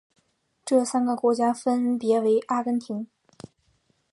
这三个国家分别为阿根廷。